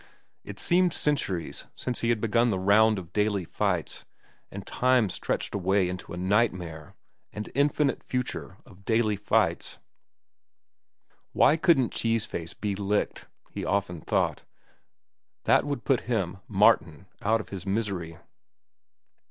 It seemed centuries since he had begun the round of daily fights, and time stretched away into a nightmare and infinite future of daily fights. Why couldn't Cheese Face be licked? he often thought; that would put him, Martin, out of his misery.